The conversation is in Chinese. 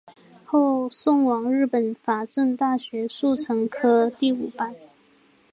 后送往日本法政大学速成科第五班。